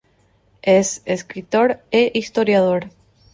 Es escritor e historiador.